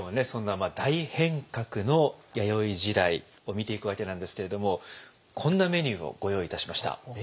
そんな大変革の弥生時代を見ていくわけなんですけれどもこんなメニューをご用意いたしました。